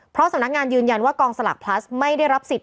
เพราะสำนักงานยืนยันว่ากองสลากพลัสไม่ได้รับสิทธิ